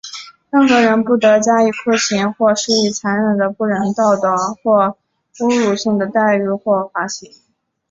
任何人不得加以酷刑,或施以残忍的、不人道的或侮辱性的待遇或刑罚。